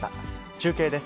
中継です。